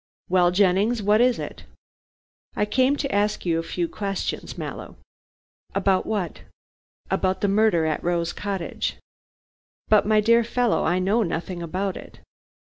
"Well, Jennings, what is it?" "I came to ask you a few questions, Mallow." "About what?" "About the murder at Rose Cottage." "But, my dear fellow, I know nothing about it."